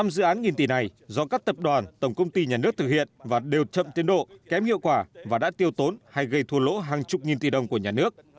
năm dự án nghìn tỷ này do các tập đoàn tổng công ty nhà nước thực hiện và đều chậm tiến độ kém hiệu quả và đã tiêu tốn hay gây thua lỗ hàng chục nghìn tỷ đồng của nhà nước